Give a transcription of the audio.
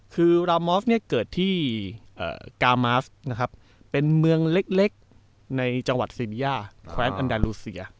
คือรามอธเนี่ยเกิดที่กามาสนะครับเป็นเมืองเล็กในจังหวัดซีเบีย